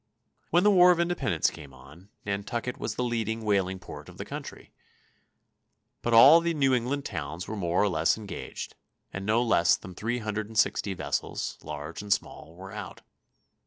When the War of Independence came on, Nantucket was the leading whaling port of the country, but all the New England towns were more or less engaged, and no less than three hundred and sixty vessels, large and small, were out.